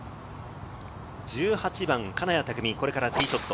１８番、金谷拓実、これからティーショット。